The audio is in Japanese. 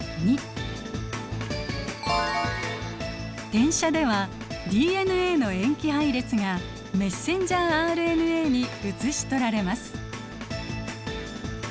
転写ではＤＮＡの塩基配列がメッセンジャーＲＮＡに写し取られます。